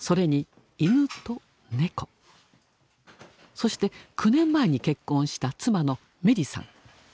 そして９年前に結婚した妻の明理さん。